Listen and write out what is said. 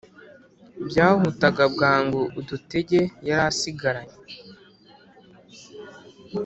byahutaga bwangu udutege yari asigaranye